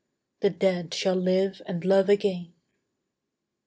The dead shall live and love again."